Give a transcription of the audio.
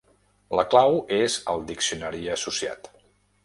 La clau és el diccionari associat.